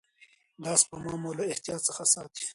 دا سپما مو له احتیاج څخه ساتي.